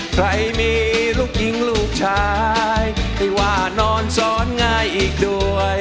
ใครมีลูกหญิงลูกชายให้ว่านอนซ้อนง่ายอีกด้วย